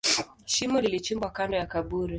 Shimo lilichimbwa kando ya kaburi.